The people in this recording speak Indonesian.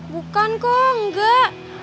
bukan kok enggak